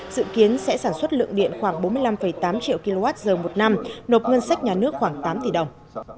dự kiến sẽ sản xuất lượng điện khoảng bốn mươi năm tám triệu kwh một năm nộp ngân sách nhà nước khoảng tám tỷ đồng